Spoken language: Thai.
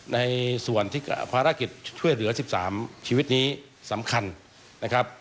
ในส่วนที่ภารกิจช่วยเหลือ๑๓ชีวิตนี้สำคัญนะครับ